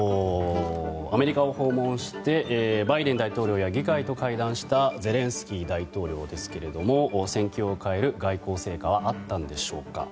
アメリカを訪問してバイデン大統領や議会と会談したゼレンスキー大統領ですけれども戦況を変える外交成果はあったんでしょうか。